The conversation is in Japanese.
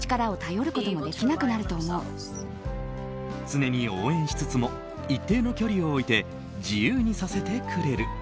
常に応援しつつも一定の距離を置いて自由にさせてくれる。